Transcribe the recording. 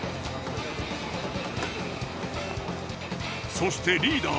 そしてリーダー